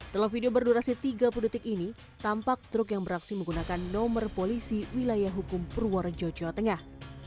dalam video berdurasi tiga puluh detik ini tampak truk yang beraksi menggunakan nomor polisi wilayah hukum purworejo jawa tengah